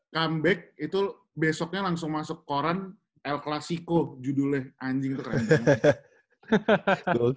comeback itu besoknya langsung masuk koran el clasico judulnya anjing itu keren banget